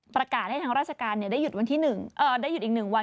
ประกาศให้ทางราชการได้หยุดอีก๑วัน